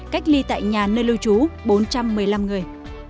cách ly tại nhà nơi lưu trú bốn trăm một mươi năm người